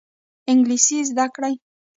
انګلیسي زده کړئ